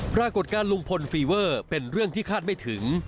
ปรากฏการณ์ลุงพลฟีเวอร์เป็นเรื่องที่คาดไม่ถึง